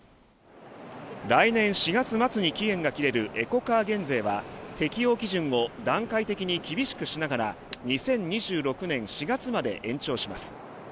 来年４月末に期限が切れるエコカー減税は適用基準を段階的に厳しくしながら２０２６年４月まで延長します。